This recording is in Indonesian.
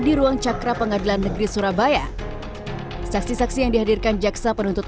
di ruang cakra pengadilan negeri surabaya saksi saksi yang dihadirkan jaksa penuntut